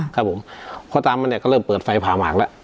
ครับผมพ่อตามมาเนี่ยก็เริ่มเปิดไฟผ่าหมากแล้ว